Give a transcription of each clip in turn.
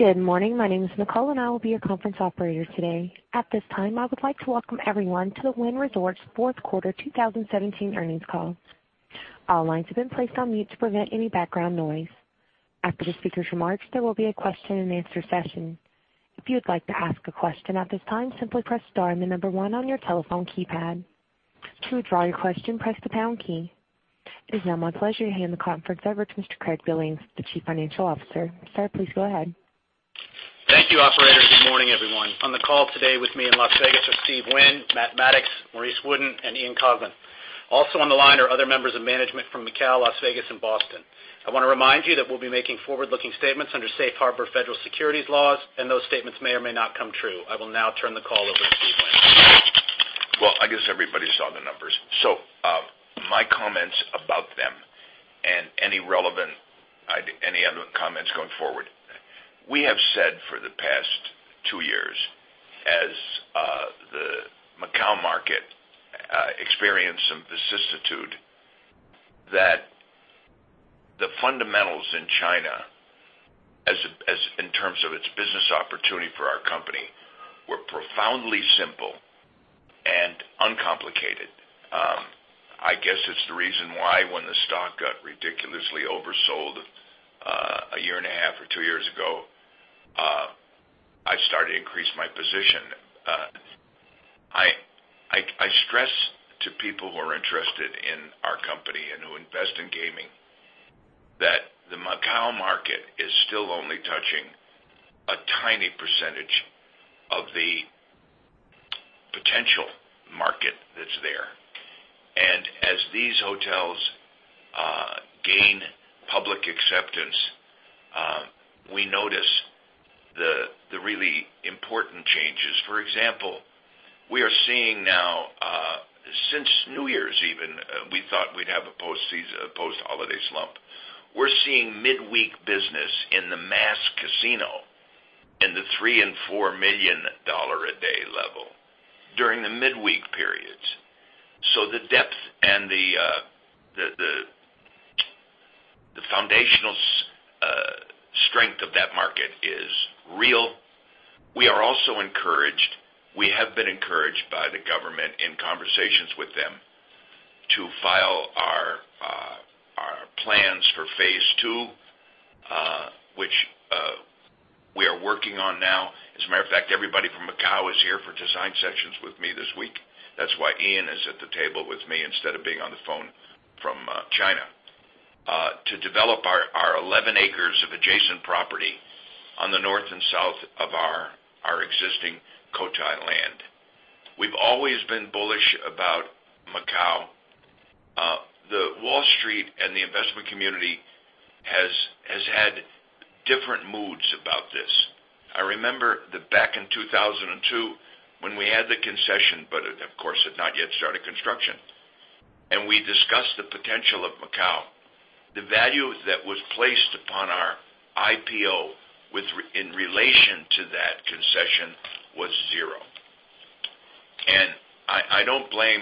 Good morning. My name is Nicole, and I will be your conference operator today. At this time, I would like to welcome everyone to the Wynn Resorts Fourth Quarter 2017 Earnings Call. All lines have been placed on mute to prevent any background noise. After the speakers' remarks, there will be a question-and-answer session. If you'd like to ask a question at this time, simply press star and the number 1 on your telephone keypad. To withdraw your question, press the pound key. It is now my pleasure to hand the conference over to Mr. Craig Billings, the Chief Financial Officer. Sir, please go ahead. Thank you, operator. Good morning, everyone. On the call today with me in Las Vegas are Steve Wynn, Matt Maddox, Maurice Wooden, and Ian Coughlan. Also on the line are other members of management from Macau, Las Vegas, and Boston. I want to remind you that we'll be making forward-looking statements under Safe Harbor federal securities laws. Those statements may or may not come true. I will now turn the call over to Steve Wynn. I guess everybody saw the numbers. My comments about them and any relevant comments going forward. We have said for the past 2 years, as the Macau market experienced some vicissitude, that the fundamentals in China, in terms of its business opportunity for our company, were profoundly simple and uncomplicated. I guess it's the reason why when the stock got ridiculously oversold a year and a half or 2 years ago, I started to increase my position. I stress to people who are interested in our company and who invest in gaming that the Macau market is still only touching a tiny percentage of the potential market that's there. As these hotels gain public acceptance, we notice the really important changes. For example, we are seeing now, since New Year's Eve, we thought we'd have a post-holiday slump. We're seeing midweek business in the mass casino in the $3 million and $4 million a day level during the midweek periods. The depth and the foundational strength of that market is real. We are also encouraged. We have been encouraged by the government in conversations with them to file our plans for phase 2, which we are working on now. As a matter of fact, everybody from Macau is here for design sessions with me this week. That's why Ian is at the table with me instead of being on the phone from China to develop our 11 acres of adjacent property on the north and south of our existing Cotai land. We've always been bullish about Macau. The Wall Street and the investment community has had different moods about this. I remember back in 2002 when we had the concession, but of course, had not yet started construction, we discussed the potential of Macau. The value that was placed upon our IPO in relation to that concession was zero. I don't blame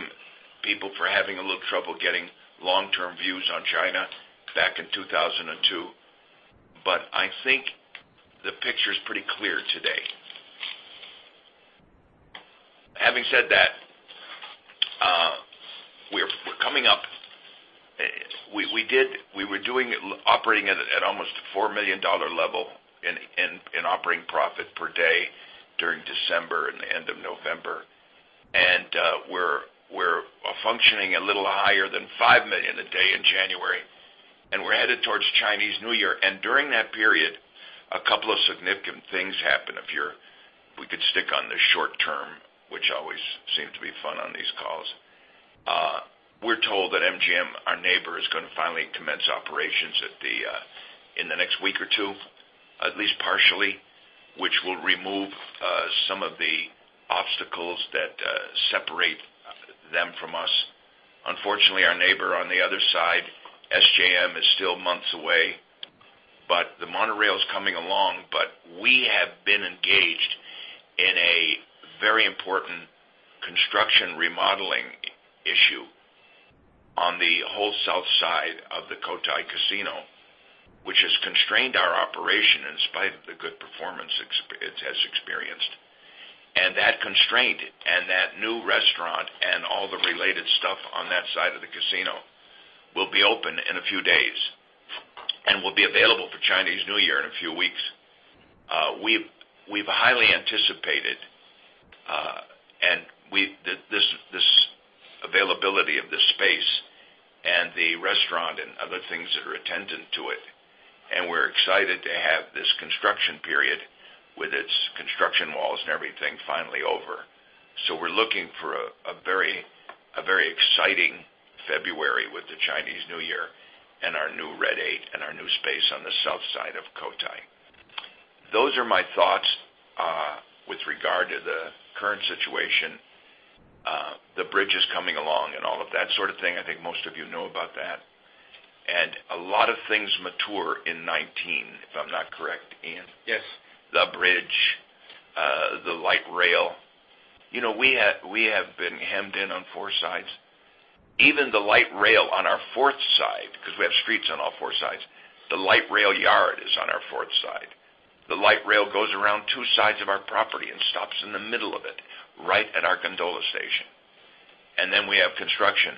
people for having a little trouble getting long-term views on China back in 2002, but I think the picture is pretty clear today. Having said that, we're coming up. We were operating at almost a $4 million level in operating profit per day during December and the end of November. We're functioning a little higher than $5 million a day in January, and we're headed towards Chinese New Year. During that period, a couple of significant things happen. If we could stick on the short term, which always seems to be fun on these calls. We're told that MGM, our neighbor, is going to finally commence operations in the next week or two, at least partially, which will remove some of the obstacles that separate them from us. Unfortunately, our neighbor on the other side, SJM, is still months away, the monorail is coming along. We have been engaged in a very important construction remodeling issue on the whole south side of the Cotai casino, which has constrained our operation in spite of the good performance it has experienced. That constraint and that new restaurant and all the related stuff on that side of the casino will be open in a few days and will be available for Chinese New Year in a few weeks. We've highly anticipated this availability of this space and the restaurant and other things that are attendant to it, we're excited to have this construction period with its construction walls and everything finally over. We're looking for a very exciting February with the Chinese New Year and our new Red 8 and our new space on the south side of Cotai. Those are my thoughts with regard to the current situation. The bridge is coming along, all of that sort of thing. I think most of you know about that. A lot of things mature in 2019. If I'm not correct, Ian? Yes. The bridge, the light rail. We have been hemmed in on four sides. Even the light rail on our fourth side, because we have streets on all four sides, the light rail yard is on our fourth side. The light rail goes around two sides of our property and stops in the middle of it, right at our gondola station. Then we have construction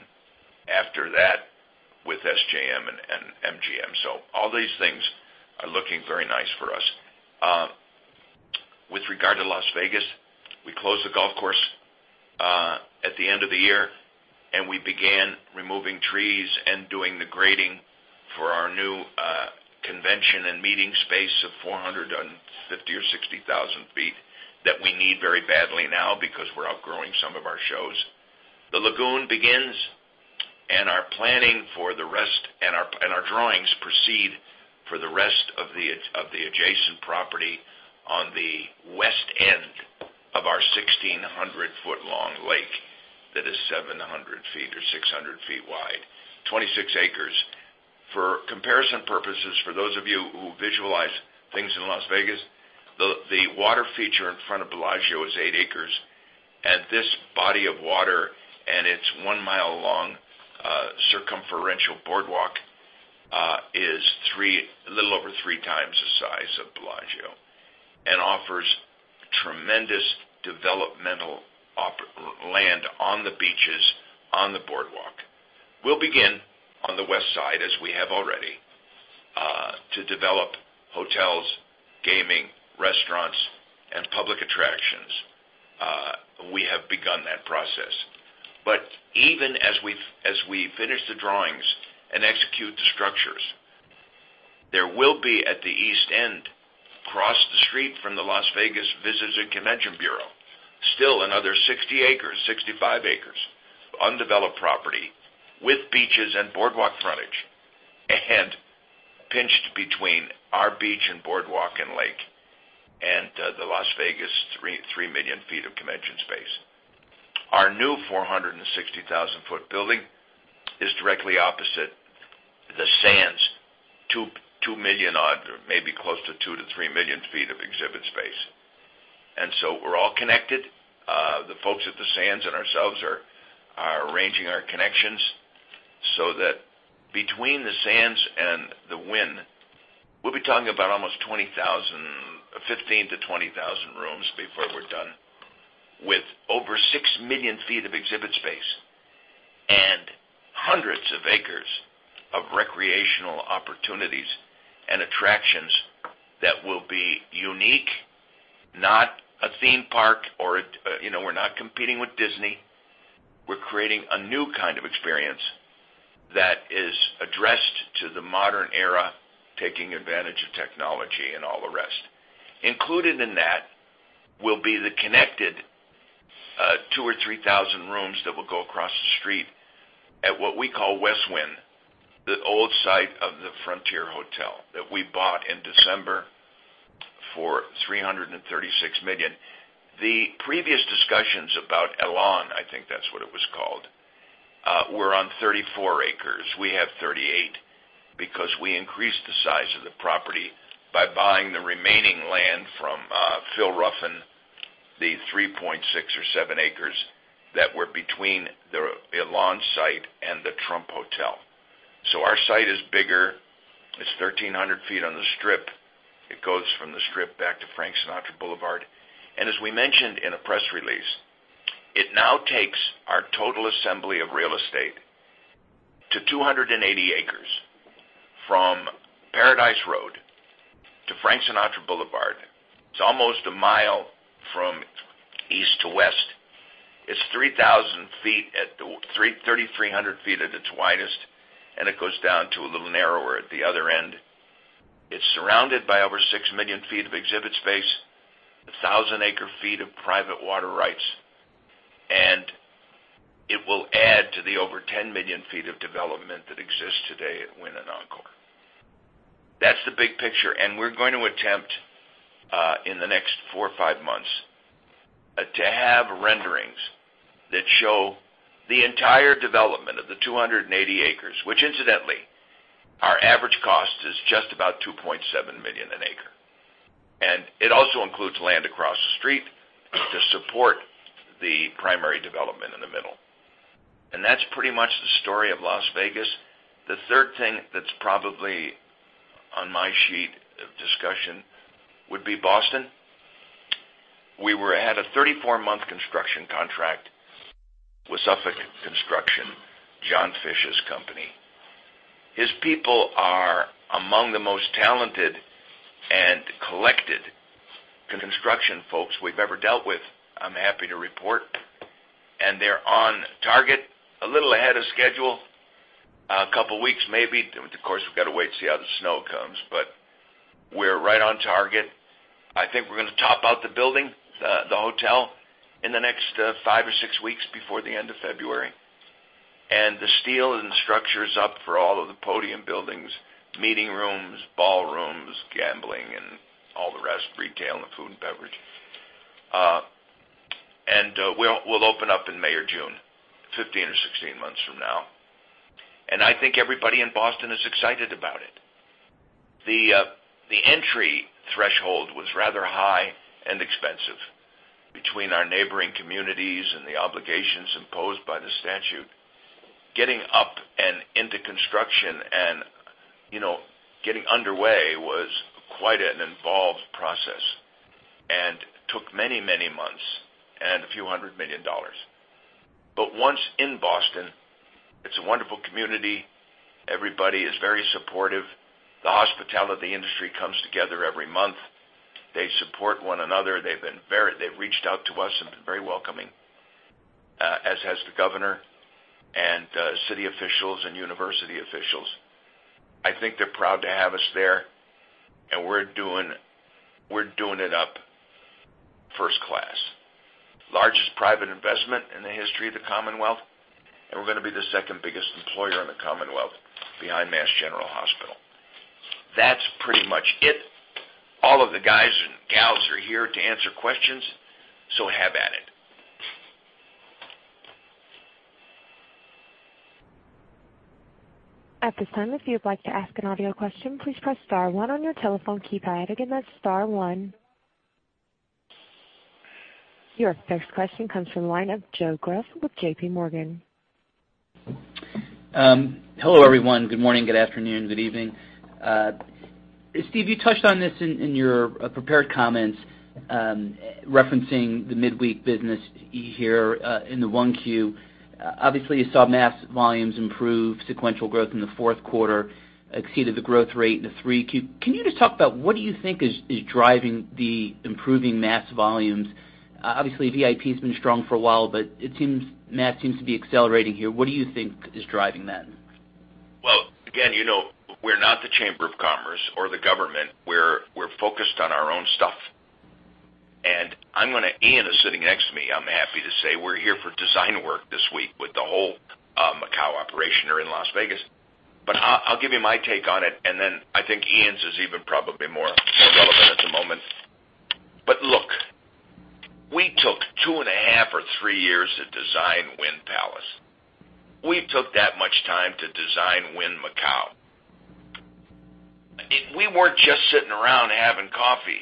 after that with SJM and MGM. All these things are looking very nice for us. With regard to Las Vegas, we closed the golf course at the end of the year, we began removing trees and doing the grading for our new convention and meeting space of 450,000 or 460,000 feet that we need very badly now because we're outgrowing some of our shows. The lagoon begins, our planning for the rest, our drawings proceed for the rest of the adjacent property on the west end of our 1,600-foot long lake that is 700 feet or 600 feet wide, 26 acres. For comparison purposes, for those of you who visualize things in Las Vegas, the water feature in front of Bellagio is eight acres. This body of water and its one-mile long circumferential boardwalk is a little over three times the size of Bellagio and offers tremendous developmental land on the beaches, on the boardwalk. We'll begin on the west side, as we have already, to develop hotels, gaming, restaurants, and public attractions. We have begun that process. Even as we finish the drawings and execute the structures, there will be at the east end, across the street from the Las Vegas Convention and Visitors Authority, still another 60 acres, 65 acres, of undeveloped property with beaches and boardwalk frontage, pinched between our beach and boardwalk and lake and the Las Vegas 3 million feet of convention space. Our new 460,000-foot building is directly opposite the Sands, 2 million odd, or maybe close to 2 million to 3 million feet of exhibit space. We're all connected. The folks at the Sands and ourselves are arranging our connections so that between the Sands and the Wynn, we'll be talking about almost 15,000 to 20,000 rooms before we're done, with over 6 million feet of exhibit space and hundreds of acres of recreational opportunities and attractions that will be unique. Not a theme park, we're not competing with Disney. We're creating a new kind of experience that is addressed to the modern era, taking advantage of technology and all the rest. Included in that will be the connected 2,000 or 3,000 rooms that will go across the street at what we call Wynn West, the old site of the Frontier Hotel that we bought in December for $336 million. The previous discussions about Alon, I think that's what it was called, were on 34 acres. We have 38 because we increased the size of the property by buying the remaining land from Phil Ruffin, the 3.6 or 3.7 acres that were between the Alon site and the Trump Hotel. Our site is bigger. It's 1,300 feet on the Strip. It goes from the Strip back to Frank Sinatra Boulevard. As we mentioned in a press release, it now takes our total assembly of real estate to 280 acres from Paradise Road to Frank Sinatra Boulevard. It's almost a mile from east to west. It's 3,000 feet at the 3,300 feet at its widest, and it goes down to a little narrower at the other end. It's surrounded by over 6 million feet of exhibit space, 1,000 acre feet of private water rights, and it will add to the over 10 million feet of development that exists today at Wynn and Encore. That's the big picture. We're going to attempt, in the next four or five months, to have renderings that show the entire development of the 280 acres, which incidentally, our average cost is just about $2.7 million an acre. It also includes land across the street to support the primary development in the middle. That's pretty much the story of Las Vegas. The third thing that's probably on my sheet of discussion would be Boston. We had a 34-month construction contract with Suffolk Construction, John Fish's company. His people are among the most talented and collected construction folks we've ever dealt with, I'm happy to report. They're on target, a little ahead of schedule, a couple of weeks maybe. We've got to wait to see how the snow comes. We're right on target. I think we're going to top out the building, the hotel, in the next five or six weeks before the end of February. The steel and the structure is up for all of the podium buildings, meeting rooms, ballrooms, gambling, and all the rest, retail and food and beverage. We'll open up in May or June, 15 or 16 months from now. I think everybody in Boston is excited about it. The entry threshold was rather high and expensive between our neighboring communities and the obligations imposed by the statute. Getting up and into construction and getting underway was quite an involved process and took many months and $a few hundred million. Once in Boston, it's a wonderful community. Everybody is very supportive. The hospitality industry comes together every month. They support one another. They've reached out to us and been very welcoming, as has the governor and city officials and university officials. I think they're proud to have us there. We're doing it up first class. Largest private investment in the history of the Commonwealth. We're going to be the second biggest employer in the Commonwealth behind Mass General Hospital. That's pretty much it. All of the guys and gals are here to answer questions. Have at it. At this time, if you'd like to ask an audio question, please press star one on your telephone keypad. Again, that's star one. Your first question comes from the line of Joseph Greff with J.P. Morgan. Hello, everyone. Good morning, good afternoon, good evening. Steve, you touched on this in your prepared comments referencing the midweek business here in the 1Q. Obviously, you saw mass volumes improve, sequential growth in the fourth quarter exceeded the growth rate in the 3Q. Can you just talk about what you think is driving the improving mass volumes? Obviously, VIP's been strong for a while, but mass seems to be accelerating here. What do you think is driving that? Well, again, we're not the chamber of commerce or the government. We're focused on our own stuff. Ian is sitting next to me, I'm happy to say. We're here for design work this week with the whole Macau operation or in Las Vegas. I'll give you my take on it, and then I think Ian's is even probably more relevant at the moment. Look, we took two and a half or three years to design Wynn Palace. We took that much time to design Wynn Macau. We weren't just sitting around having coffee.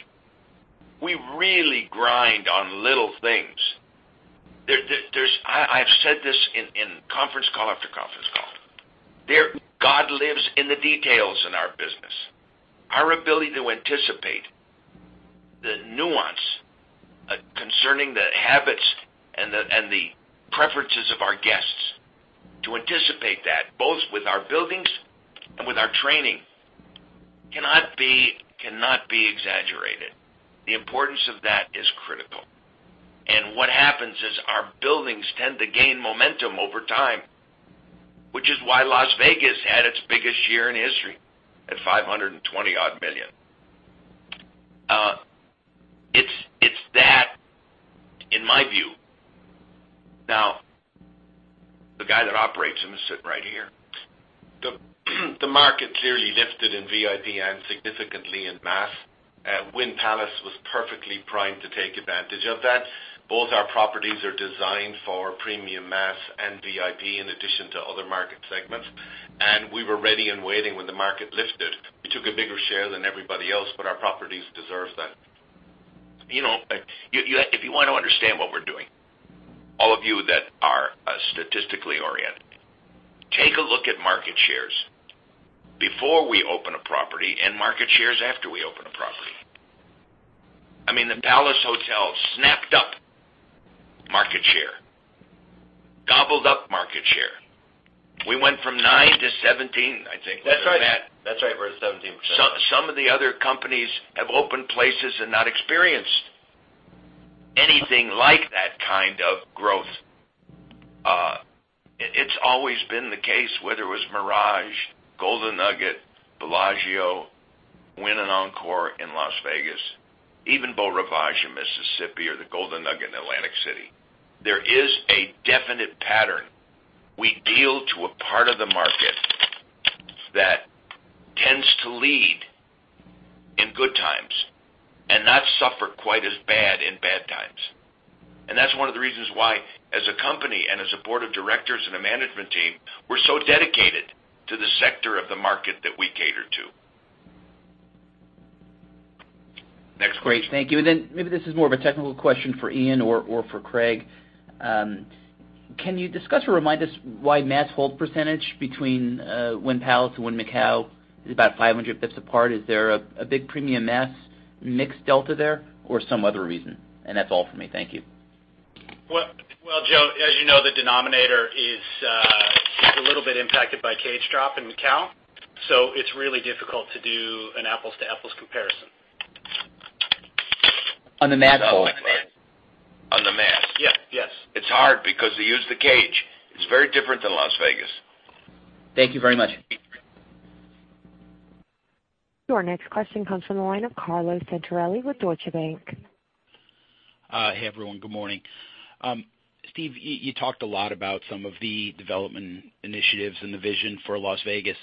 We really grind on little things. I've said this in conference call after conference call. God lives in the details in our business. Our ability to anticipate the nuance concerning the habits and the preferences of our guests, to anticipate that both with our buildings and with our training cannot be exaggerated. The importance of that is critical. What happens is our buildings tend to gain momentum over time, which is why Las Vegas had its biggest year in history at $520-odd million. It's that in my view. Now, the guy that operates them is sitting right here. The market clearly lifted in VIP and significantly in mass. Wynn Palace was perfectly primed to take advantage of that. Both our properties are designed for premium mass and VIP in addition to other market segments. We were ready and waiting when the market lifted. We took a bigger share than everybody else, our properties deserve that. If you want to understand what we're doing, all of you that are statistically oriented, take a look at market shares before we open a property and market shares after we open a property. The Wynn Palace snapped up market share, gobbled up market share. We went from nine to 17, I think. That's right. We're at 17%. Some of the other companies have opened places and not experienced anything like that kind of growth. It's always been the case, whether it was The Mirage, Golden Nugget, Bellagio, Wynn and Encore in Las Vegas, even Beau Rivage in Mississippi or the Golden Nugget in Atlantic City. There is a definite pattern. We deal to a part of the market that tends to lead in good times and not suffer quite as bad in bad times. That's one of the reasons why, as a company and as a board of directors and a management team, we're so dedicated to the sector of the market that we cater to. Next question. Great. Thank you. Then maybe this is more of a technical question for Ian or for Craig. Can you discuss or remind us why mass hold percentage between Wynn Palace and Wynn Macau is about 500 basis points apart? Is there a big premium mass mix delta there or some other reason? That's all for me. Thank you. Well, Joe, as you know, the denominator is a little bit impacted by cage drop in Macau, so it's really difficult to do an apples to apples comparison. On the mass hold. On the mass. Yes. It's hard because they use the cage. It's very different than Las Vegas. Thank you very much. Your next question comes from the line of Carlo Santarelli with Deutsche Bank. Hey, everyone. Good morning. Steve, you talked a lot about some of the development initiatives and the vision for Las Vegas.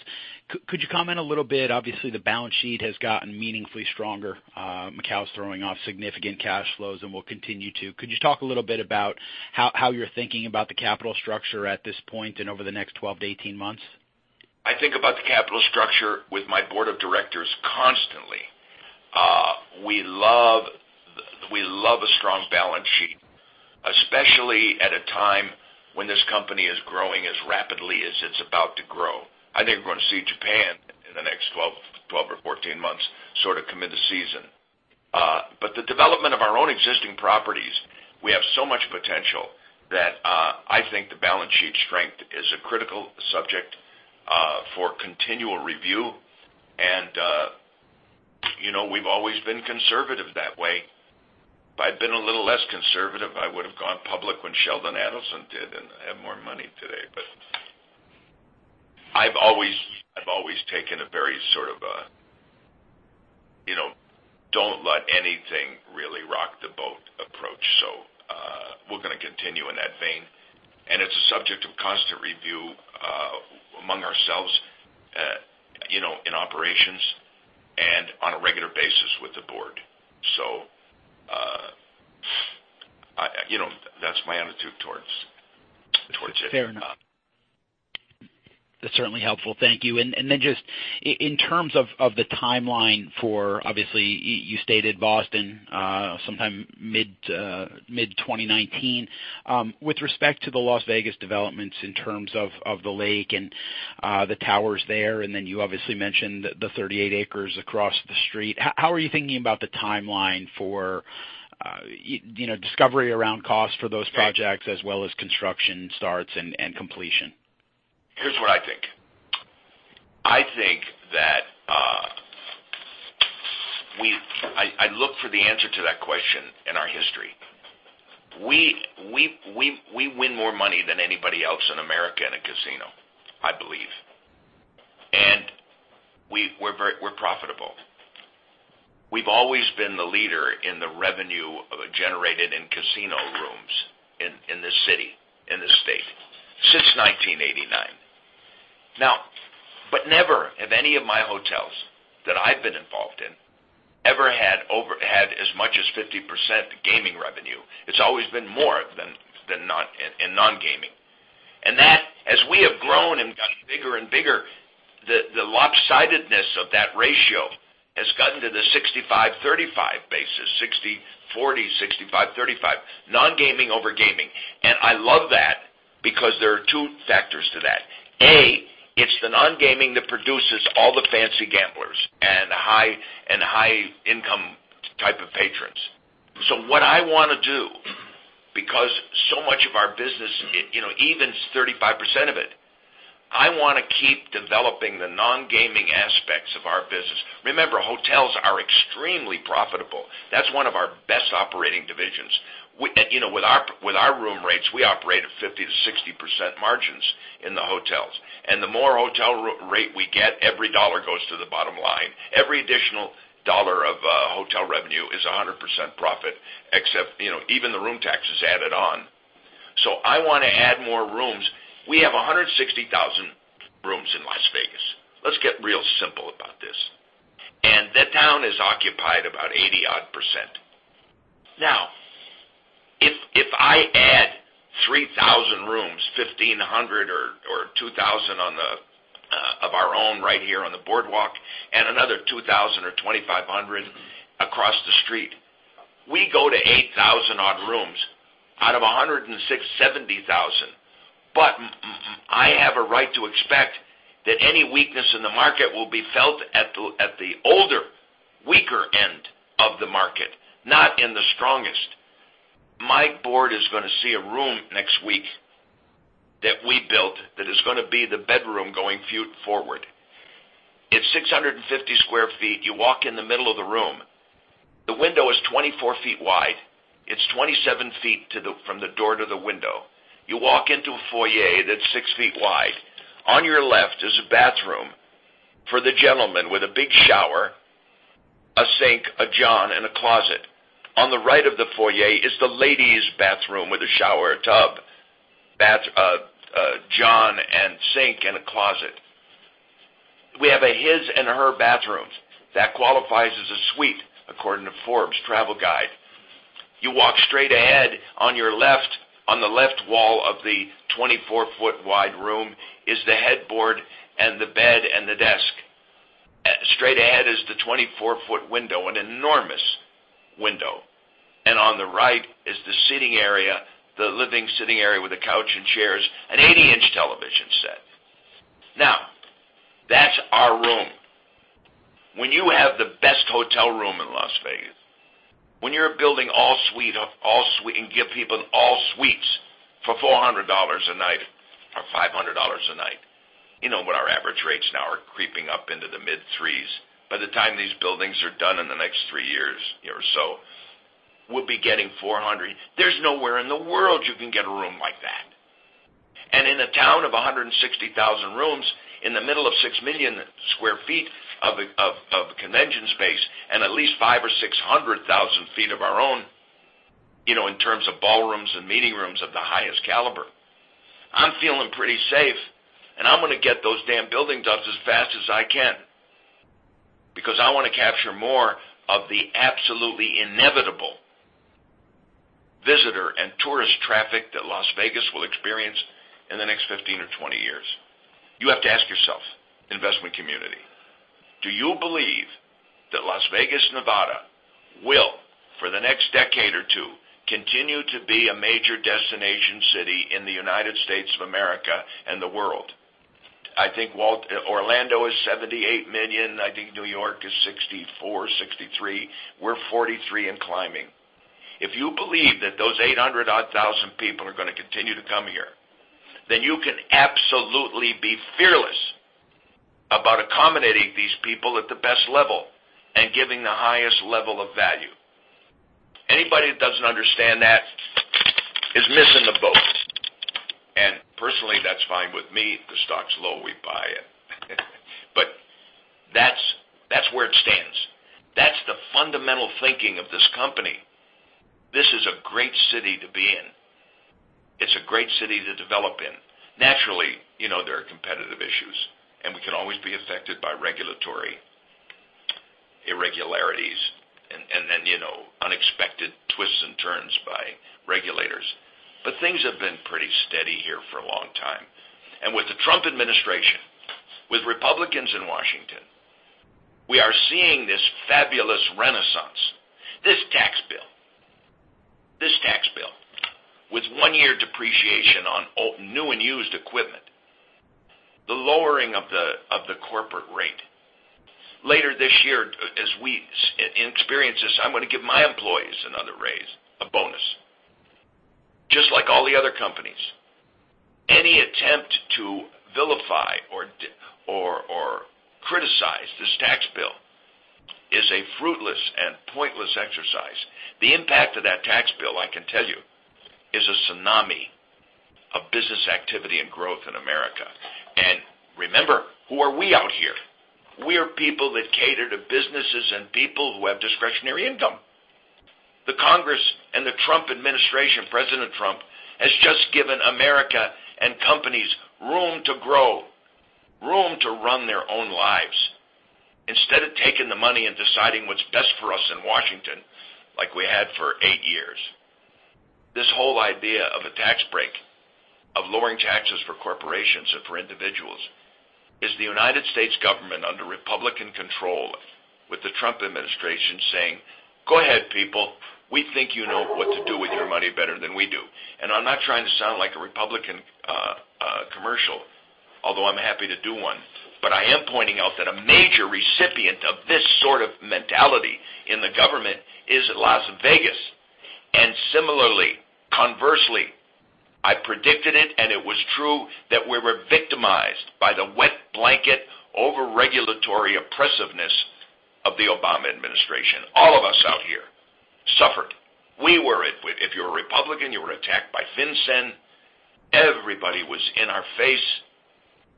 Could you comment a little bit? Obviously, the balance sheet has gotten meaningfully stronger. Macau's throwing off significant cash flows and will continue to. Could you talk a little bit about how you're thinking about the capital structure at this point and over the next 12 to 18 months? I think about the capital structure with my board of directors constantly. We love a strong balance sheet, especially at a time when this company is growing as rapidly as it's about to grow. I think we're going to see Japan in the next 12 or 14 months, sort of come into season. The development of our own existing properties, we have so much potential that I think the balance sheet strength is a critical subject for continual review. We've always been conservative that way. If I'd been a little less conservative, I would've gone public when Sheldon Adelson did, and I'd have more money today. I've always taken a very sort of, don't let anything really rock the boat approach. We're going to continue in that vein, and it's a subject of constant review among ourselves, in operations, and on a regular basis with the board. That's my attitude towards it. Fair enough. That's certainly helpful. Thank you. Just, in terms of the timeline for, obviously, you stated Boston, sometime mid 2019. With respect to the Las Vegas developments in terms of the Lake and the towers there, then you obviously mentioned the 38 acres across the street, how are you thinking about the timeline for discovery around cost for those projects as well as construction starts and completion? Here's what I think. I look for the answer to that question in our history. We win more money than anybody else in America in a casino, I believe. We're profitable. We've always been the leader in the revenue generated in casino rooms in this city, in this state, since 1989. Never have any of my hotels that I've been involved in, ever had as much as 50% gaming revenue. It's always been more in non-gaming. That, as we have grown and gotten bigger and bigger, the lopsidedness of that ratio has gotten to the 65-35 basis, 60-40, 65-35, non-gaming over gaming. I love that because there are two factors to that. A, it's the non-gaming that produces all the fancy gamblers and high income type of patrons. What I want to do, because so much of our business, even 35% of it, I want to keep developing the non-gaming aspects of our business. Remember, hotels are extremely profitable. That's one of our best operating divisions. With our room rates, we operate at 50%-60% margins in the hotels, and the more hotel rate we get, every dollar goes to the bottom line. Every additional dollar of hotel revenue is 100% profit, except even the room tax is added on. I want to add more rooms. We have 160,000 rooms in Las Vegas. Let's get real simple about this. That town is occupied about 80 odd %. Now, if I add 3,000 rooms, 1,500 or 2,000 of our own right here on the boardwalk, and another 2,000 or 2,500 across the street, we go to 8,000 odd rooms out of 160,000, 170,000. I have a right to expect that any weakness in the market will be felt at the older, weaker end of the market, not in the strongest. My board is going to see a room next week that we built that is going to be the bedroom going forward. It's 650 sq ft. You walk in the middle of the room. The window is 24 feet wide. It's 27 feet from the door to the window. You walk into a foyer that's 6 feet wide. On your left is a bathroom for the gentleman with a big shower, a sink, a john, and a closet. On the right of the foyer is the ladies bathroom with a shower, a tub, a john, and sink, and a closet. We have a his and her bathrooms. That qualifies as a suite according to Forbes Travel Guide. You walk straight ahead, on your left, on the left wall of the 24-foot wide room is the headboard and the bed and the desk. Straight ahead is the 24-foot window, an enormous window. On the right is the sitting area, the living sitting area with a couch and chairs, an 80-inch television set. Now, that's our room. When you have the best hotel room in Las Vegas, when you're building all suite, give people all suites for $400 a night or $500 a night. When our average rates now are creeping up into the mid 3s. By the time these buildings are done in the next 3 years or so, we'll be getting $400. There's nowhere in the world you can get a room like that. In a town of 160,000 rooms, in the middle of 6 million sq ft of convention space, at least 500,000 or 600,000 feet of our own, in terms of ballrooms and meeting rooms of the highest caliber, I'm feeling pretty safe. I'm going to get those damn buildings up as fast as I can, because I want to capture more of the absolutely inevitable traffic that Las Vegas will experience in the next 15 or 20 years. You have to ask yourself, investment community, do you believe that Las Vegas, Nevada, will, for the next decade or two, continue to be a major destination city in the U.S. and the world? I think Orlando is 78 million. I think New York is 64, 63. We're 43 and climbing. If you believe that those 800 odd thousand people are going to continue to come here, you can absolutely be fearless about accommodating these people at the best level and giving the highest level of value. Anybody that doesn't understand that is missing the boat, personally, that's fine with me. If the stock's low, we buy it. That's where it stands. That's the fundamental thinking of this company. This is a great city to be in. It's a great city to develop in. Naturally, there are competitive issues, we can always be affected by regulatory irregularities unexpected twists and turns by regulators. Things have been pretty steady here for a long time. With the Trump administration, with Republicans in Washington, we are seeing this fabulous renaissance. This tax bill with one-year depreciation on new and used equipment, the lowering of the corporate rate. Later this year, as we experience this, I'm going to give my employees another raise, a bonus, just like all the other companies. Any attempt to vilify or criticize this tax bill is a fruitless and pointless exercise. The impact of that tax bill, I can tell you, is a tsunami of business activity and growth in America. Remember, who are we out here? We are people that cater to businesses and people who have discretionary income. The Congress and the Trump administration, President Trump, has just given America and companies room to grow, room to run their own lives. Instead of taking the money and deciding what's best for us in Washington, like we had for eight years. This whole idea of a tax break, of lowering taxes for corporations and for individuals, is the United States government, under Republican control with the Trump administration, saying, "Go ahead, people. We think you know what to do with your money better than we do." I'm not trying to sound like a Republican commercial, although I'm happy to do one, but I am pointing out that a major recipient of this sort of mentality in the government is Las Vegas. Similarly, conversely, I predicted it, and it was true that we were victimized by the wet blanket over regulatory oppressiveness of the Obama administration. All of us out here suffered. If you were a Republican, you were attacked by FinCEN. Everybody was in our face,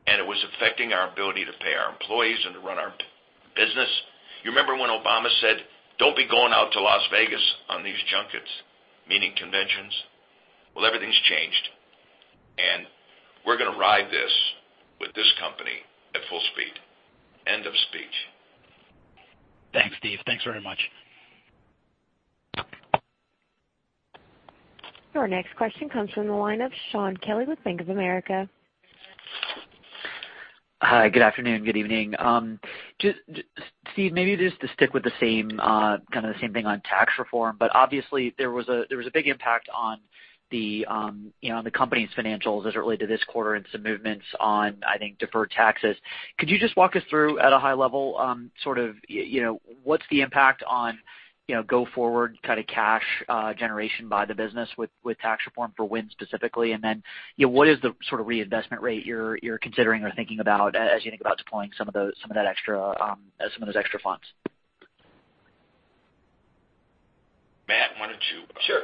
and it was affecting our ability to pay our employees and to run our business. You remember when Obama said, "Don't be going out to Las Vegas on these junkets," meaning conventions? Well, everything's changed, and we're going to ride this with this company at full speed. End of speech. Thanks, Steve. Thanks very much. Your next question comes from the line of Shaun Kelley with Bank of America. Hi, good afternoon, good evening. Steve, maybe just to stick with the same kind of thing on tax reform. Obviously, there was a big impact on the company's financials as it related to this quarter and some movements on, I think, deferred taxes. Could you just walk us through, at a high level, what's the impact on go forward cash generation by the business with tax reform for Wynn specifically? What is the sort of reinvestment rate you're considering or thinking about as you think about deploying some of those extra funds? Matt, why don't you Sure.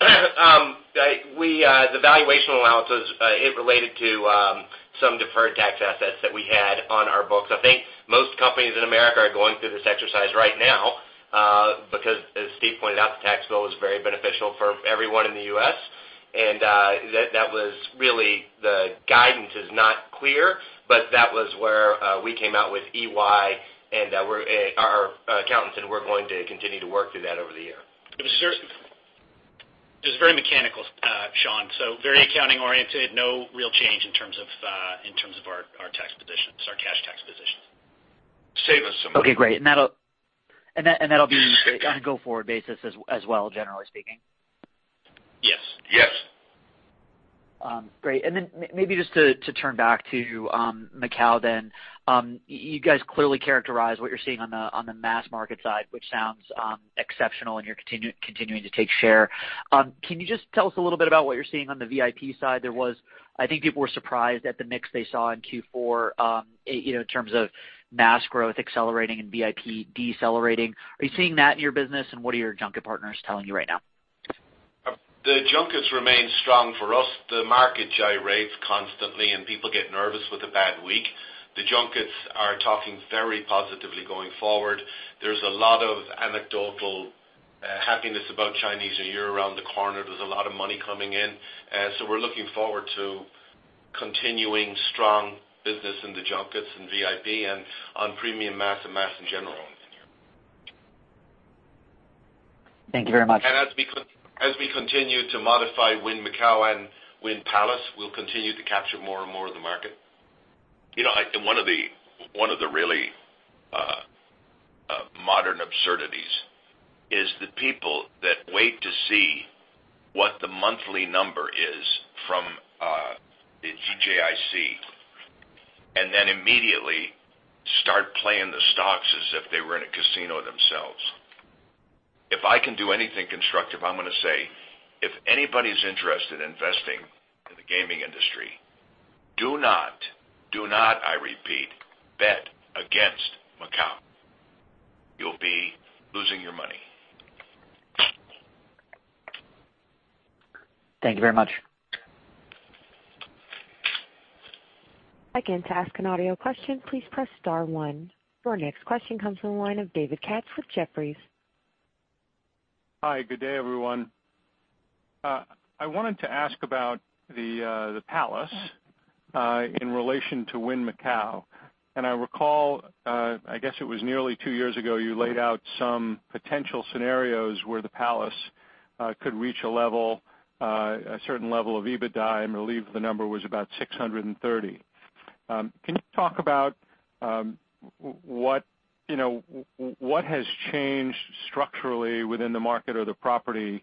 The valuation allowances, it related to some deferred tax assets that we had on our books. I think most companies in America are going through this exercise right now because, as Steve pointed out, the tax bill was very beneficial for everyone in the U.S., and that was really the guidance is not clear, but that was where we came out with EY and our accountants, and we're going to continue to work through that over the year. It was very mechanical, Shaun, very accounting oriented. No real change in terms of our tax positions, our cash tax positions. Save us some money. Okay, great. That'll be on a go-forward basis as well, generally speaking? Yes. Yes. Great. Maybe just to turn back to Macau then. You guys clearly characterize what you're seeing on the mass market side, which sounds exceptional, and you're continuing to take share. Can you just tell us a little bit about what you're seeing on the VIP side? I think people were surprised at the mix they saw in Q4, in terms of mass growth accelerating and VIP decelerating. Are you seeing that in your business, and what are your junket partners telling you right now? The junkets remain strong for us. The market gyrates constantly, and people get nervous with a bad week. The junkets are talking very positively going forward. There's a lot of anecdotal happiness about Chinese New Year around the corner. There's a lot of money coming in. We're looking forward to continuing strong business in the junkets and VIP and on premium mass and mass in general. Thank you very much. As we continue to modify Wynn Macau and Wynn Palace, we'll continue to capture more and more of the market. One of the really modern absurdities is the people that wait to see what the monthly number is from the DICJ, and then immediately start playing the stocks as if they were in a casino themselves. If I can do anything constructive, I'm going to say, if anybody's interested in investing in the gaming industry, do not, I repeat, bet against Macau. You'll be losing your money. Thank you very much. To ask an audio question, please press star one. Your next question comes from the line of David Katz with Jefferies. Hi, good day, everyone. I wanted to ask about the Wynn Palace in relation to Wynn Macau. I recall, I guess it was nearly two years ago, you laid out some potential scenarios where the Wynn Palace could reach a certain level of EBITDA, I believe the number was about $630. Can you talk about what has changed structurally within the market or the property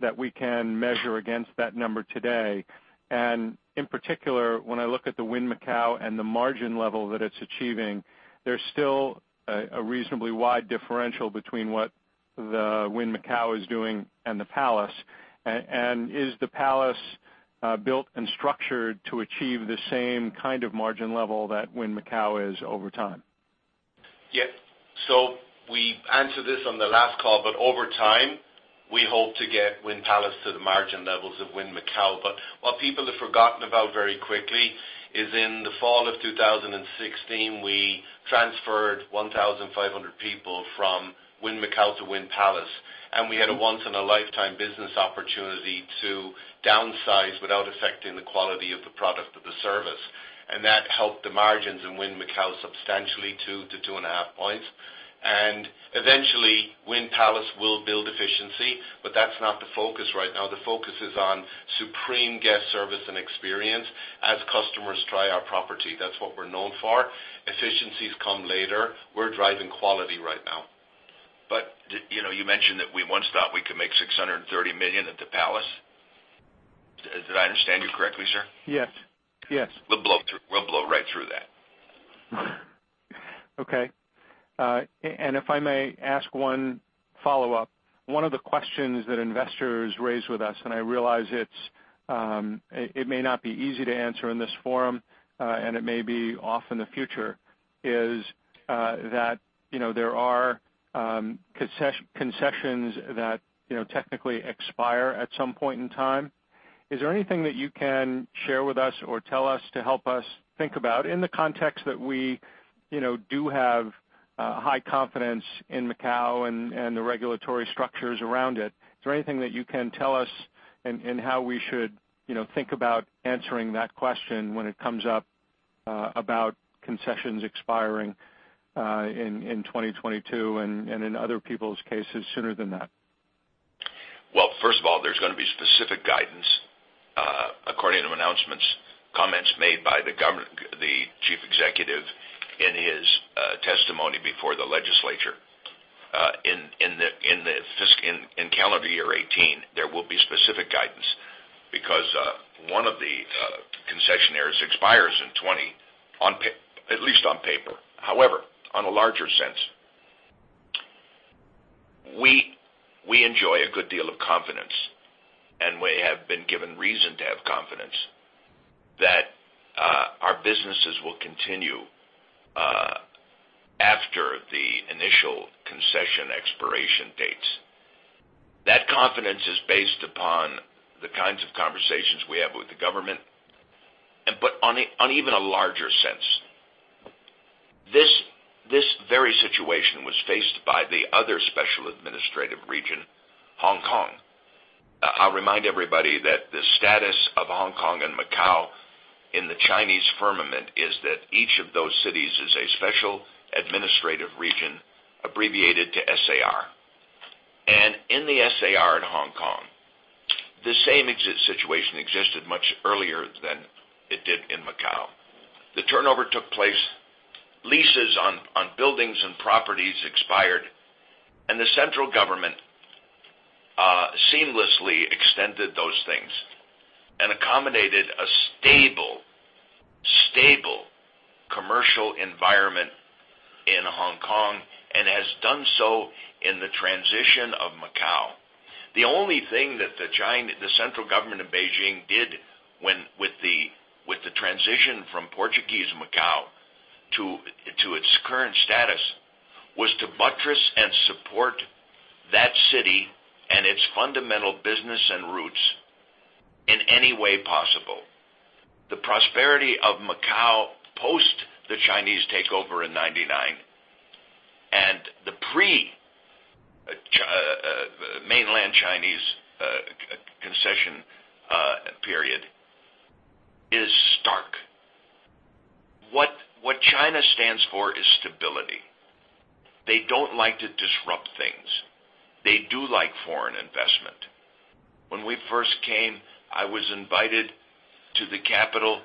that we can measure against that number today? In particular, when I look at the Wynn Macau and the margin level that it's achieving, there's still a reasonably wide differential between what the Wynn Macau is doing and the Wynn Palace. Is the Wynn Palace built and structured to achieve the same kind of margin level that Wynn Macau is over time? Yes. We answered this on the last call, but over time, we hope to get Wynn Palace to the margin levels of Wynn Macau. What people have forgotten about very quickly is in the fall of 2016, we transferred 1,500 people from Wynn Macau to Wynn Palace, we had a once in a lifetime business opportunity to downsize without affecting the quality of the product or the service. That helped the margins in Wynn Macau substantially two to two and a half points. Eventually, Wynn Palace will build efficiency, that's not the focus right now. The focus is on supreme guest service and experience as customers try our property. That's what we're known for. Efficiencies come later. We're driving quality right now. You mentioned that we once thought we could make $630 million at the Wynn Palace. Did I understand you correctly, sir? Yes. We'll blow right through that. Okay. If I may ask one follow-up, one of the questions that investors raise with us, I realize it may not be easy to answer in this forum, and it may be off in the future, is that there are concessions that technically expire at some point in time. Is there anything that you can share with us or tell us to help us think about in the context that we do have high confidence in Macau and the regulatory structures around it? Is there anything that you can tell us in how we should think about answering that question when it comes up about concessions expiring, in 2022 and in other people's cases sooner than that? Well, first of all, there's going to be specific guidance, according to announcements, comments made by the Chief Executive in his testimony before the legislature. In calendar year 2018, there will be specific guidance because, one of the concessionaires expires in 2020, at least on paper. On a larger sense, we enjoy a good deal of confidence, and we have been given reason to have confidence that our businesses will continue after the initial concession expiration dates. That confidence is based upon the kinds of conversations we have with the government. On even a larger sense, this very situation was faced by the other special administrative region, Hong Kong. I'll remind everybody that the status of Hong Kong and Macau in the Chinese firmament is that each of those cities is a special administrative region abbreviated to SAR. In the SAR in Hong Kong, the same situation existed much earlier than it did in Macau. The turnover took place, leases on buildings and properties expired, and the central government seamlessly extended those things and accommodated a stable commercial environment in Hong Kong, and has done so in the transition of Macau. The only thing that the central government in Beijing did with the transition from Portuguese Macau to its current status was to buttress and support that city and its fundamental business and roots in any way possible. The prosperity of Macau post the Chinese takeover in 1999, and the pre-mainland Chinese concession period is stark. What China stands for is stability. They don't like to disrupt things. They do like foreign investment. When we first came, I was invited to the capital,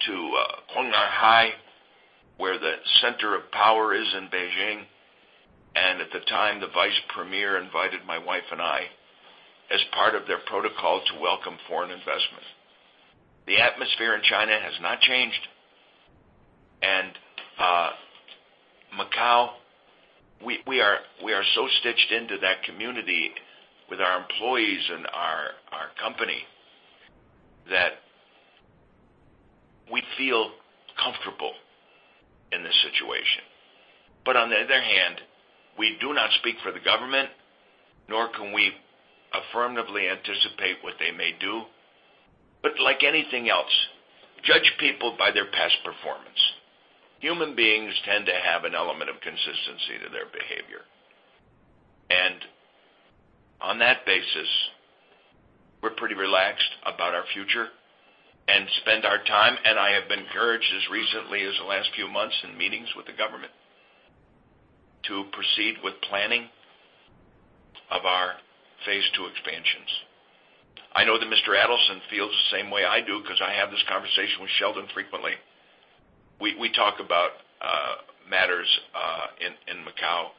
to Zhongnanhai, where the center of power is in Beijing. At the time, the Vice Premier invited my wife and me as part of their protocol to welcome foreign investment. The atmosphere in China has not changed. Macau, we are so stitched into that community with our employees and our company that we feel comfortable in this situation. On the other hand, we do not speak for the government, nor can we affirmatively anticipate what they may do. Like anything else, judge people by their past performance. Human beings tend to have an element of consistency to their behavior. On that basis, we're pretty relaxed about our future and spend our time, and I have been encouraged as recently as the last few months in meetings with the government to proceed with planning of our phase 2 expansions. I know that Mr. Adelson feels the same way I do because I have this conversation with Sheldon frequently. We talk about matters in Macau,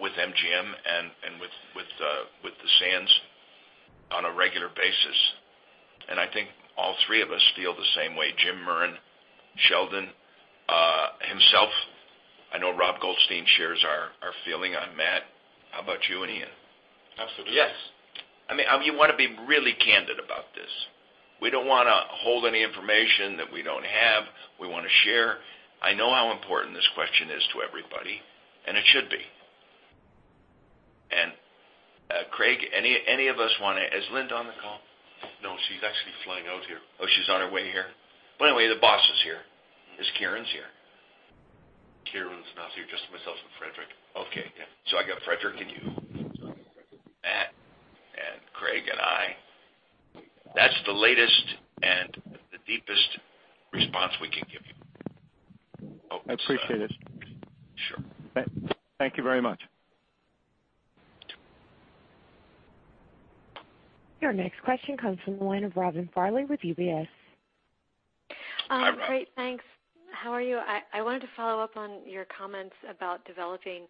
with MGM, and with the Sands on a regular basis, and I think all three of us feel the same way: Jim Murren, Sheldon himself. I know Rob Goldstein shares our feeling on Matt. How about you and Ian? Absolutely. Yes. You want to be really candid about this. We don't want to hold any information that we don't have. We want to share. I know how important this question is to everybody, and it should be. Craig, is Lynn on the call? No, she's actually flying out here. Anyway, she's on her way here. The boss is here. Is Kieran here? Kieran's not here, just myself and Frederick. Okay. Yeah. I got Frederick and you. I got Frederick. Matt and Craig and I. That's the latest and the deepest response we can give you. I appreciate it. Sure. Thank you very much. Your next question comes from the line of Robin Farley with UBS. Great, thanks. How are you? I wanted to follow up on your comments about developing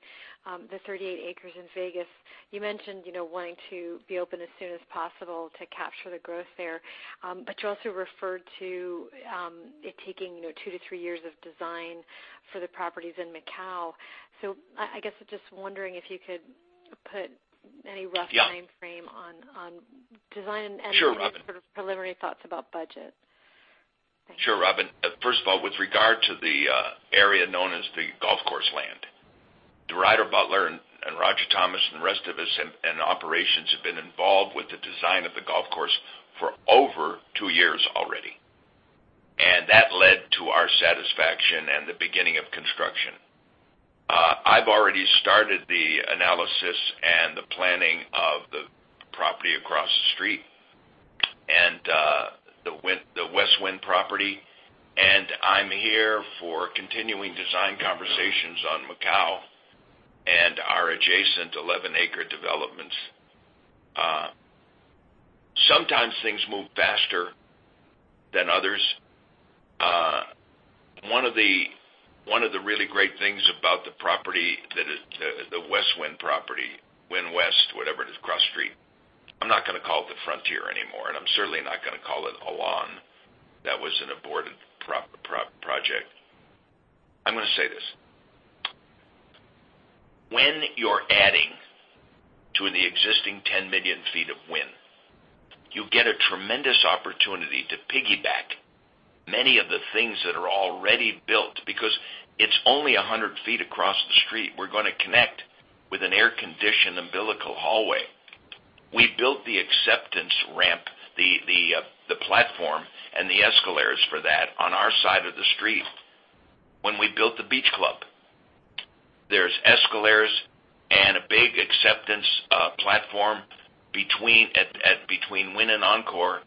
the 38 acres in Vegas. You mentioned wanting to be open as soon as possible to capture the growth there, but you also referred to it taking two to three years of design for the properties in Macau. I guess I'm just wondering if you could put any rough timeframe on design? Sure, Robin. Any sort of preliminary thoughts about budget? Sure, Robin. First of all, with regard to the area known as the golf course land, Ryder Butler and Roger Thomas and the rest of us in operations have been involved with the design of the golf course for over two years already. That led to our satisfaction and the beginning of construction. I've already started the analysis and the planning of the property across the street, and the West Wynn property. I'm here for continuing design conversations on Macau and our adjacent 11-acre developments. Sometimes things move faster than others. One of the really great things about the West Wynn property, Wynn West, whatever it is, across the street, I'm not going to call it the Frontier anymore, and I'm certainly not going to call it Alon. That was an aborted project. I'm going to say this. When you're adding to the existing 10 million feet of Wynn, you get a tremendous opportunity to piggyback many of the things that are already built because it's only 100 feet across the street. We're going to connect with an air-conditioned umbilical hallway. We built the acceptance ramp, the platform, and the escalators for that on our side of the street when we built the beach club. There's escalators and a big acceptance platform between Wynn and Encore,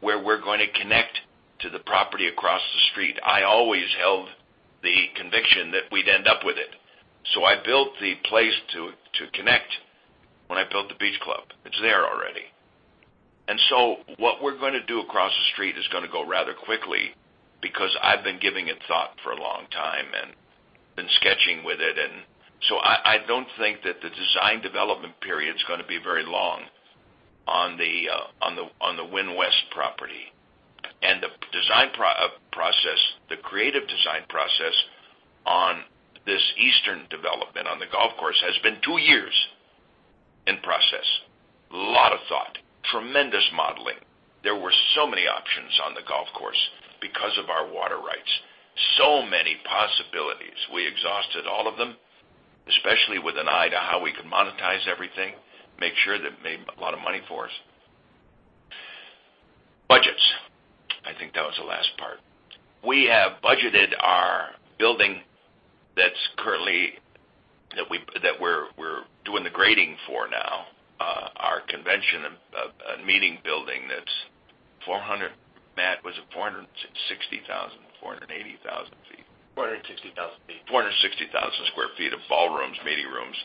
where we're going to connect to the property across the street. I always held the conviction that we'd end up with it. I built the place to connect when I built the beach club. It's there already. What we're going to do across the street is going to go rather quickly because I've been giving it thought for a long time and been sketching with it. I don't think that the design development period is going to be very long on the Wynn West property. The design process, the creative design process on this eastern development on the golf course has been two years in process. A lot of thought, tremendous modeling. There were so many options on the golf course because of our water rights. Many possibilities. We exhausted all of them, especially with an eye to how we could monetize everything, make sure that it made a lot of money for us. Budgets. I think that was the last part. We have budgeted our building that's currently grading for now, our convention and meeting building that's 400 Matt, was it 460,000 or 480,000 feet? 460,000 feet. 460,000 sq ft of ballrooms, meeting rooms,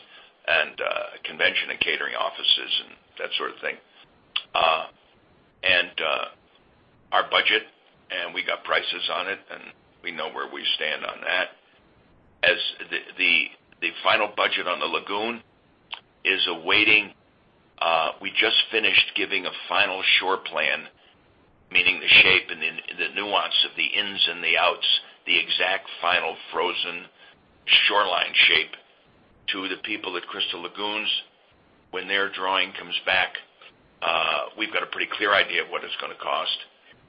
and convention and catering offices and that sort of thing. Our budget, and we got prices on it, and we know where we stand on that. As the final budget on the lagoon is awaiting. We just finished giving a final shore plan, meaning the shape and the nuance of the ins and the outs, the exact final frozen shoreline shape to the people at Crystal Lagoons. When their drawing comes back, we've got a pretty clear idea of what it's going to cost.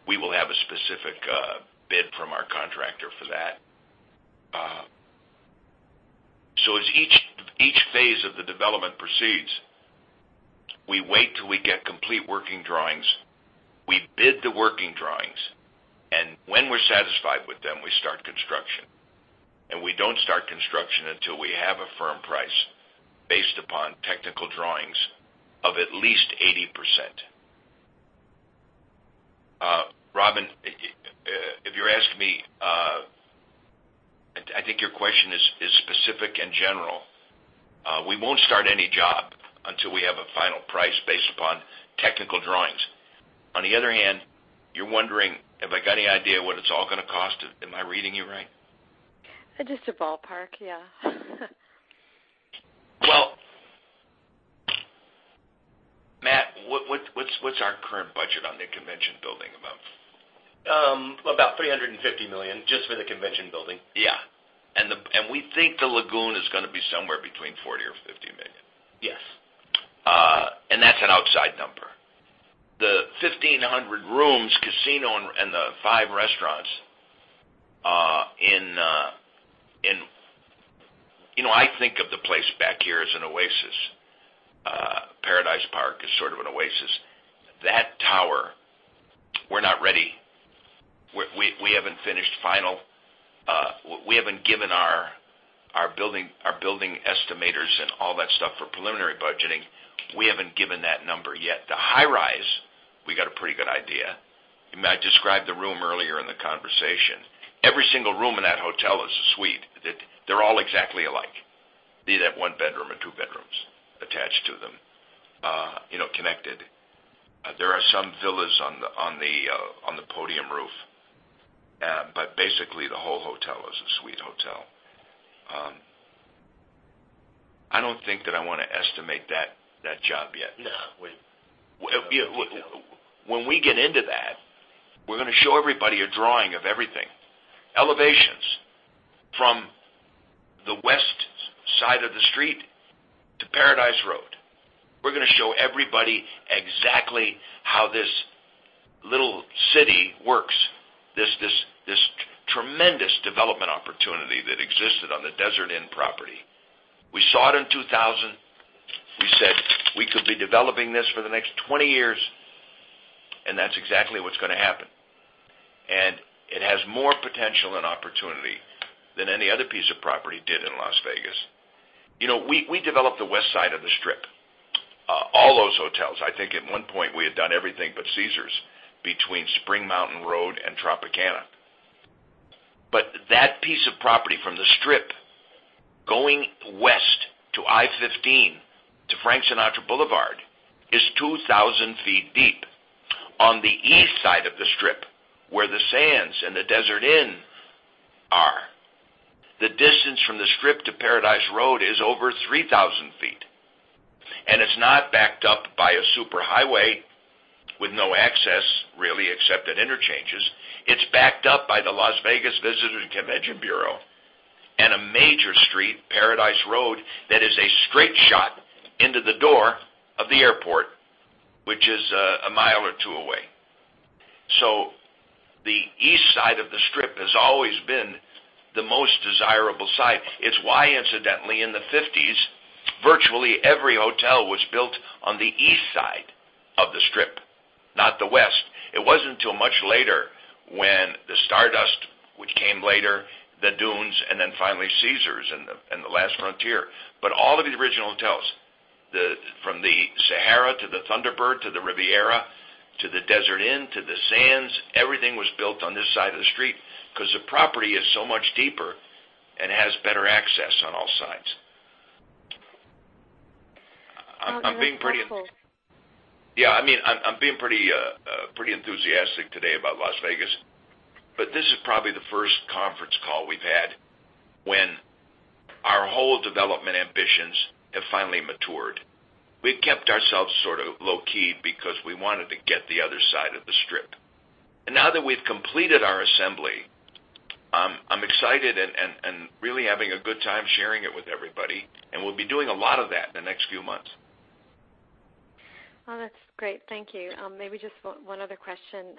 We will have a specific bid from our contractor for that. As each phase of the development proceeds, we wait till we get complete working drawings, we bid the working drawings, and when we're satisfied with them, we start construction. We don't start construction until we have a firm price based upon technical drawings of at least 80%. Robin, if you're asking me, I think your question is specific and general. We won't start any job until we have a final price based upon technical drawings. On the other hand, you're wondering, have I got any idea what it's all going to cost? Am I reading you right? Just a ballpark, yeah. Well, Matt, what's our current budget on the convention building amount? About $350 million just for the convention building. Yeah. We think the lagoon is going to be somewhere between $40 million or $50 million. Yes. That's an outside number. The 1,500 rooms casino and the five restaurants. I think of the place back here as an oasis. Paradise Park is sort of an oasis. That tower, we're not ready. We haven't given our building estimators and all that stuff for preliminary budgeting, we haven't given that number yet. The high rise, we got a pretty good idea. Matt described the room earlier in the conversation. Every single room in that hotel is a suite. They're all exactly alike. Be that one bedroom or two bedrooms attached to them, connected. There are some villas on the podium roof. Basically, the whole hotel is a suite hotel. I don't think that I want to estimate that job yet. No. Wait. When we get into that, we're going to show everybody a drawing of everything. Elevations from the west side of the street to Paradise Road. We're going to show everybody exactly how this little city works, this tremendous development opportunity that existed on the Desert Inn property. We saw it in 2000. We said we could be developing this for the next 20 years, and that's exactly what's going to happen. It has more potential and opportunity than any other piece of property did in Las Vegas. We developed the west side of the Strip, all those hotels. I think at one point, we had done everything but Caesars between Spring Mountain Road and Tropicana. That piece of property from the Strip going west to I15 to Frank Sinatra Boulevard is 2,000 feet deep. On the east side of the Strip, where the Sands and the Desert Inn are, the distance from the Strip to Paradise Road is over 3,000 feet. It's not backed up by a super highway with no access, really, except at interchanges. It's backed up by the Las Vegas Convention and Visitors Authority and a major street, Paradise Road, that is a straight shot into the door of the airport, which is a mile or two away. The east side of the Strip has always been the most desirable site. It's why, incidentally, in the '50s, virtually every hotel was built on the east side of the Strip, not the west. It wasn't until much later when the Stardust, which came later, the Dunes, finally Caesars and the Last Frontier. All of the original hotels, from the Sahara to the Thunderbird to the Riviera to the Desert Inn to the Sands, everything was built on this side of the street because the property is so much deeper and has better access on all sides. That's helpful. Yeah. I'm being pretty enthusiastic today about Las Vegas, but this is probably the first conference call we've had when our whole development ambitions have finally matured. We've kept ourselves sort of low-key because we wanted to get the other side of the Strip. Now that we've completed our assembly, I'm excited and really having a good time sharing it with everybody, and we'll be doing a lot of that in the next few months. Well, that's great. Thank you. Maybe just one other question.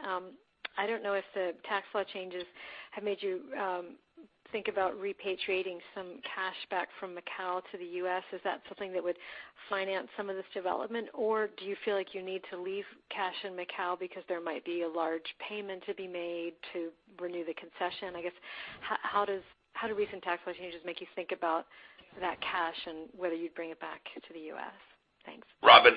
I don't know if the tax law changes have made you think about repatriating some cash back from Macau to the U.S. Is that something that would finance some of this development, or do you feel like you need to leave cash in Macau because there might be a large payment to be made to renew the concession? I guess, how do recent tax law changes make you think about that cash and whether you'd bring it back to the U.S.? Thanks. Robin,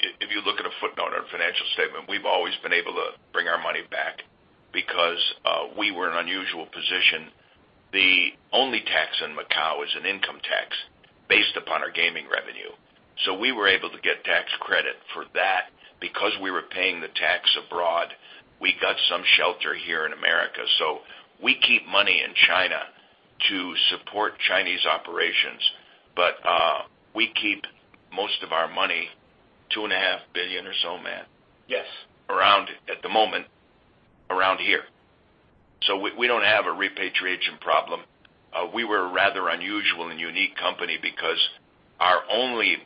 if you look at a footnote on our financial statement, we've always been able to bring our money back because we were in an unusual position. The only tax in Macau is an income tax based upon our gaming revenue. We were able to get tax credit for that. Because we were paying the tax abroad, we got some shelter here in America. We keep money in China to support Chinese operations, but we keep most of our money, $2.5 billion or so, Matt? Yes. Around at the moment, around here. We don't have a repatriation problem. We were a rather unusual and unique company because our only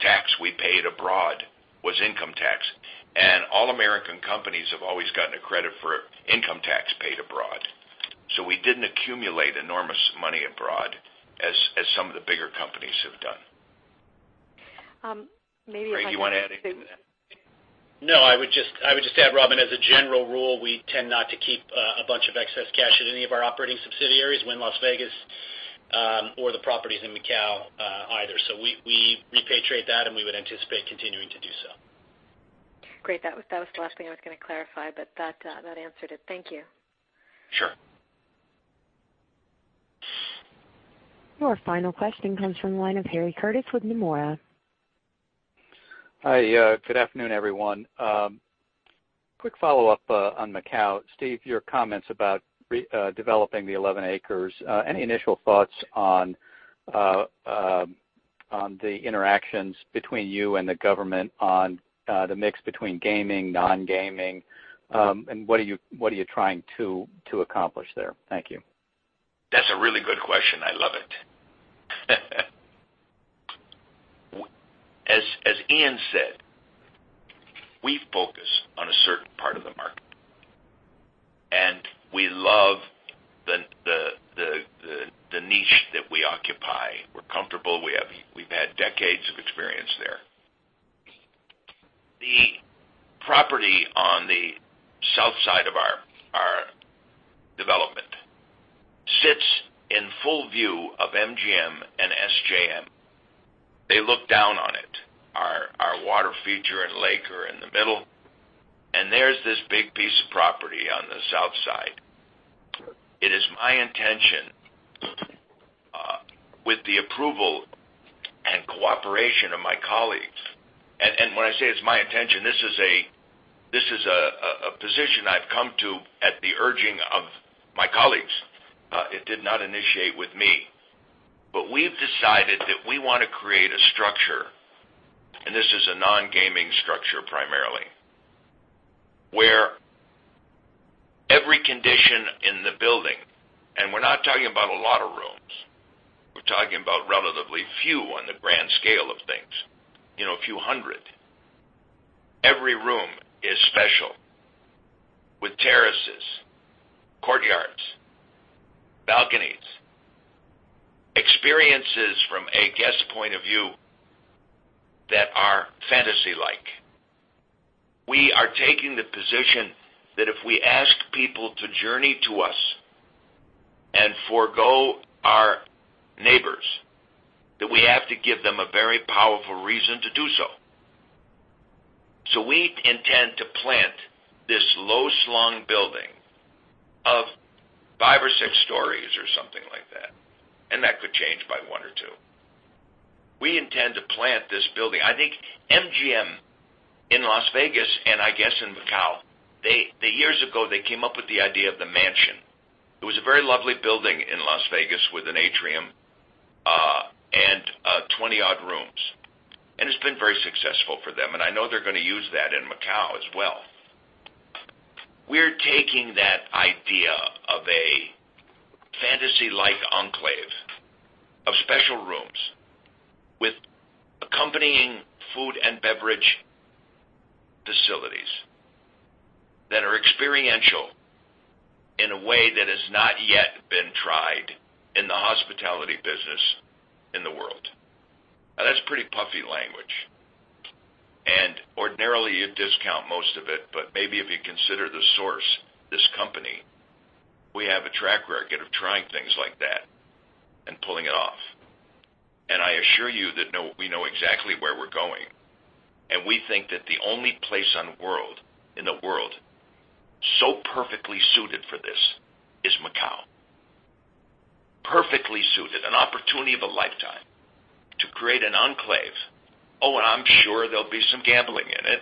tax we paid abroad was income tax. All American companies have always gotten a credit for income tax paid abroad. We didn't accumulate enormous money abroad as some of the bigger companies have done. Maybe- Frank, you want to add anything to that? No, I would just add, Robin, as a general rule, we tend not to keep a bunch of excess cash in any of our operating subsidiaries, Wynn Las Vegas, or the properties in Macau either. We repatriate that, and we would anticipate continuing to do so. Great. That was the last thing I was going to clarify, that answered it. Thank you. Sure. Your final question comes from the line of Harry Curtis with Nomura. Hi. Good afternoon, everyone. Quick follow-up on Macau. Steve, your comments about developing the 11 acres. Any initial thoughts on the interactions between you and the government on the mix between gaming, non-gaming? What are you trying to accomplish there? Thank you. That's a really good question. I love it. As Ian said, we focus on a certain part of the market, and we love the niche that we occupy. We're comfortable. We've had decades of experience there. The property on the south side of our development sits in full view of MGM and SJM. They look down on it. Our water feature and lake are in the middle, and there's this big piece of property on the south side. It is my intention, with the approval and cooperation of my colleagues, and when I say it's my intention, this is a position I've come to at the urging of my colleagues. It did not initiate with me, but we've decided that we want to create a structure, and this is a non-gaming structure primarily, where every condition in the building, and we're not talking about a lot of rooms, we're talking about relatively few on the grand scale of things, a few hundred. Every room is special with terraces, courtyards, balconies, experiences from a guest point of view that are fantasy-like. We are taking the position that if we ask people to journey to us and forego our neighbors, that we have to give them a very powerful reason to do so. We intend to plant this low-slung building of five or six stories or something like that, and that could change by one or two. We intend to plant this building. I think MGM in Las Vegas, and I guess in Macau, years ago, they came up with the idea of The Mansion. It was a very lovely building in Las Vegas with an atrium and 20 odd rooms. It's been very successful for them, and I know they're going to use that in Macau as well. We're taking that idea of a fantasy-like enclave of special rooms with accompanying food and beverage facilities that are experiential in a way that has not yet been tried in the hospitality business in the world. Now, that's pretty puffy language. Ordinarily, you'd discount most of it, but maybe if you consider the source, this company, we have a track record of trying things like that and pulling it off. I assure you that we know exactly where we're going, and we think that the only place in the world so perfectly suited for this is Macau. Perfectly suited, an opportunity of a lifetime to create an enclave. Oh, and I'm sure there'll be some gambling in it.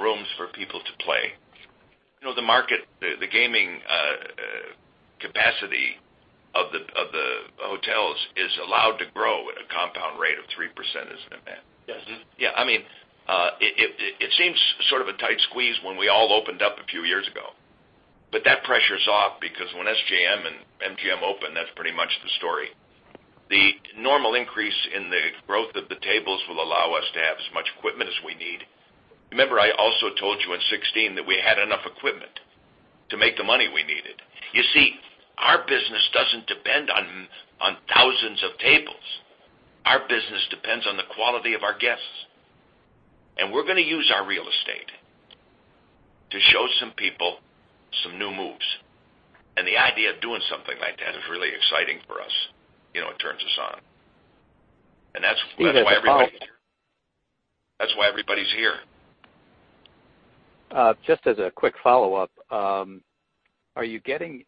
Rooms for people to play. The market, the gaming capacity of the hotels is allowed to grow at a compound rate of 3%, isn't it, Matt? Yes. Yeah. It seems sort of a tight squeeze when we all opened up a few years ago. That pressure's off because when SJM and MGM opened, that's pretty much the story. The normal increase in the growth of the tables will allow us to have as much equipment as we need. Remember, I also told you in 2016 that we had enough equipment to make the money we needed. You see, our business doesn't depend on thousands of tables. Our business depends on the quality of our guests. We're going to use our real estate to show some people The idea of doing something like that is really exciting for us. It turns us on. That's why everybody's here. Just as a quick follow-up, are you getting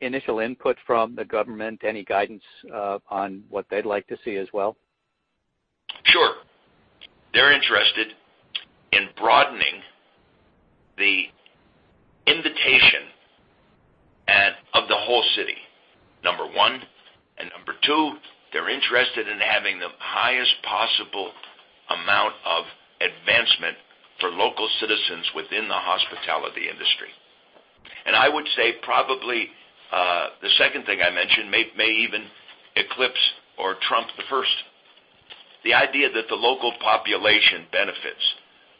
initial input from the government? Any guidance on what they'd like to see as well? Sure. They're interested in broadening the invitation of the whole city, number one. Number two, they're interested in having the highest possible amount of advancement for local citizens within the hospitality industry. I would say probably, the second thing I mentioned may even eclipse or trump the first. The idea that the local population benefits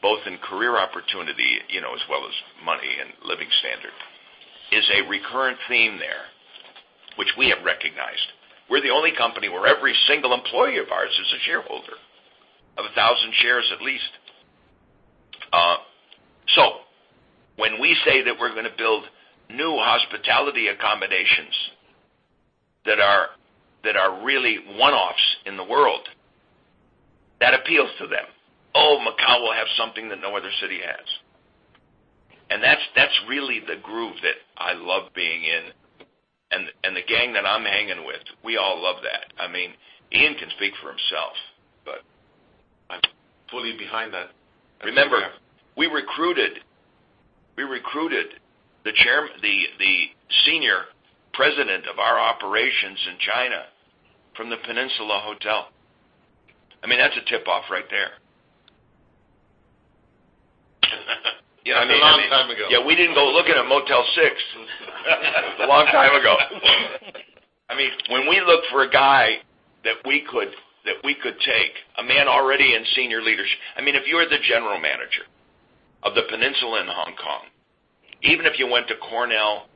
both in career opportunity, as well as money and living standard, is a recurrent theme there, which we have recognized. We're the only company where every single employee of ours is a shareholder of 1,000 shares at least. When we say that we're going to build new hospitality accommodations that are really one-offs in the world, that appeals to them. "Oh, Macau will have something that no other city has." That's really the groove that I love being in. The gang that I'm hanging with, we all love that. Ian can speak for himself. I'm fully behind that. Remember, we recruited the senior president of our operations in China from the Peninsula Hotel. That's a tip-off right there. That was a long time ago. Yeah, we didn't go looking at Motel 6. It was a long time ago. When we looked for a guy that we could take, a man already in senior leadership. If you are the general manager of the Peninsula in Hong Kong, even if you went to Cornell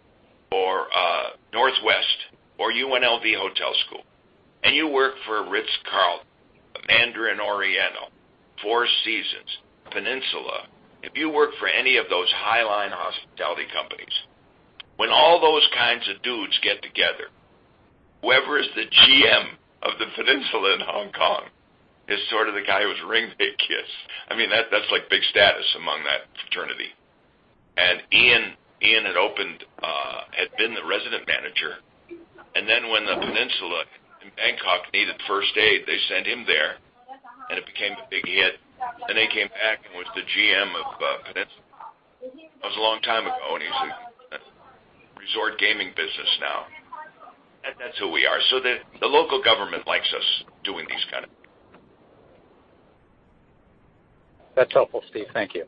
or Northwestern or UNLV Hotel School, and you work for Ritz-Carlton, Mandarin Oriental, Four Seasons, Peninsula, if you work for any of those highline hospitality companies, when all those kinds of dudes get together, whoever is the GM of the Peninsula in Hong Kong is sort of the guy who's ring-kissed. That's big status among that fraternity. Ian had been the resident manager. When the Peninsula in Bangkok needed first aid, they sent him there, and it became a big hit. He came back and was the GM of Peninsula. That was a long time ago, he's in resort gaming business now. That's who we are. The local government likes us doing these kind of That's helpful, Steve. Thank you.